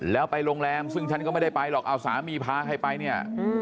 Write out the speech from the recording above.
แล้วไปโรงแรมซึ่งฉันก็ไม่ได้ไปหรอกเอาสามีพาใครไปเนี่ย